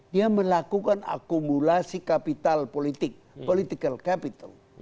dia melakukan akumulasi kapital politik political capital